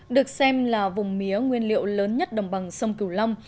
được xem là vùng mía nguyên liệu lớn nhất đồng bằng sông cửu long